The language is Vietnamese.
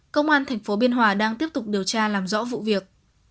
công an tp biên hòa đang tiếp tục điều tra làm rõ vụ việc